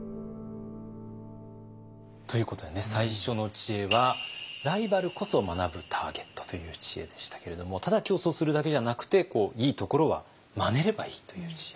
ということでね最初の知恵はライバルこそ学ぶターゲットという知恵でしたけれどもただ競争するだけじゃなくていいところはまねればいいという知恵。